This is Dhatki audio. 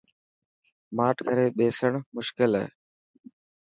ماٺ ڪري ٻيسڻ مشڪل هي.